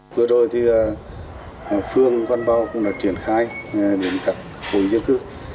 vừa rồi thì phương quan báo cũng đã triển khai đến các khối diễn cư